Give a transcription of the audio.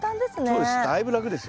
そうです。